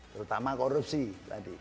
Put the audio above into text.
terutama korupsi tadi